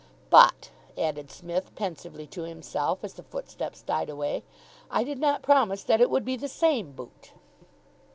"But," added Psmith pensively to himself, as the footsteps died away, "I did not promise that it would be the same boot."